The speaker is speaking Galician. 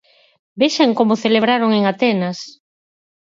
Vexan como o celebraron en Atenas.